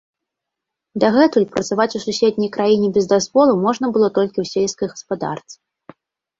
Дагэтуль працаваць у суседняй краіне без дазволу можна было толькі ў сельскай гаспадарцы.